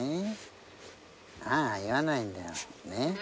あーあー言わないんだよね。